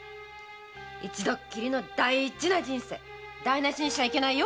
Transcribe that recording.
一度っきりの大事な人生台なしにしちゃいけないよ。